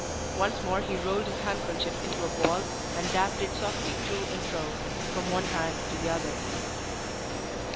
Once more he rolled his handkerchief into a ball, and dabbed it softly to and fro from one hand to the other.